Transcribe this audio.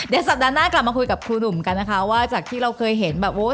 เดี๋ยวสัปดาห์หน้ากลับมาคุยกับครูหนุ่มกันนะคะว่าจากที่เราเคยเห็นแบบโอ้ย